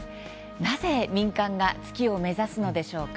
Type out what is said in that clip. なぜ民間が月を目指すのでしょうか。